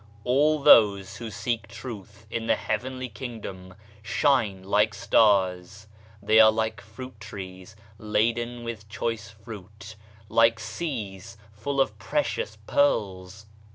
All those who seek Truth in the Heavenly Kingdom shine like stars ; they are like fruit trees laden with choice fruit, like seas full of precious pearls.